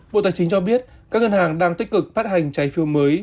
bộ tài chính cho biết các ngân hàng đang tích cực phát hành trái phiếu mới